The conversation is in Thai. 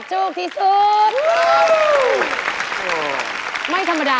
จุกที่สุด